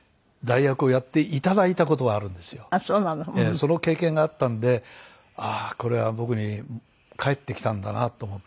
その経験があったんでああこれは僕に返ってきたんだなと思って。